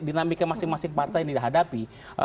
dinamik yang masing masing partai ini hadapi